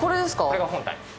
これが本体です。